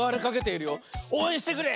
おうえんしてくれ！